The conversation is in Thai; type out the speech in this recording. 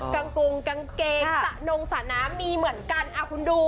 งกงกางเกงสระนงสระน้ำมีเหมือนกันคุณดู